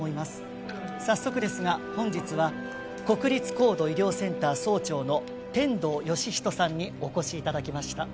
「早速ですが本日は国立高度医療センター総長の天堂義人さんにお越し頂きました」